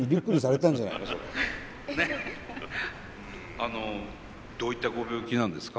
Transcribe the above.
あのどういったご病気なんですか？